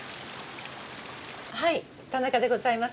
はい田中でございます。